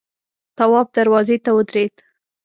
تواب دروازې ته ودرېد.